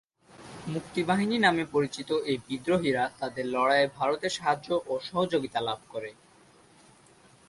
মুক্তিবাহিনী নামে পরিচিত এই বিদ্রোহীরা তাদের লড়াইয়ে ভারতের সাহায্য ও সহযোগীতা লাভ করে।